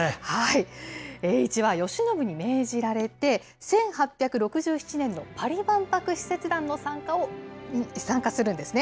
栄一は慶喜に命じられて、１８６７年のパリ万博使節団に参加するんですね。